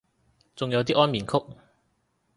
仲有啲安眠曲